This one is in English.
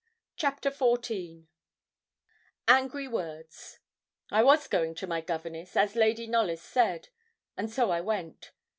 CHAPTER XIV ANGRY WORDS I was going to my governess, as Lady Knollys said; and so I went.